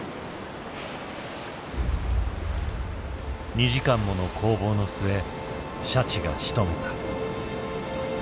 ２時間もの攻防の末シャチがしとめた。